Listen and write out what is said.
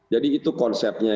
jadi itu konsepnya